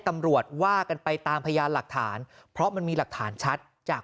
ตำรวจว่ากันไปตามพยานหลักฐานเพราะมันมีหลักฐานชัดจาก